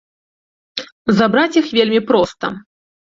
Забраць іх вельмі проста.